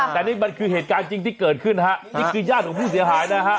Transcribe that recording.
แต่นี่มันคือเหตุการณ์จริงที่เกิดขึ้นนะฮะนี่คือญาติของผู้เสียหายนะฮะ